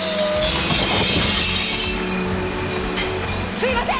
すいません！